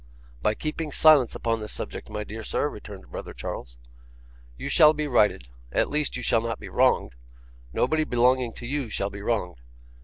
'By keeping silence upon the subject, my dear sir,' returned brother Charles. 'You shall be righted. At least you shall not be wronged. Nobody belonging to you shall be wronged.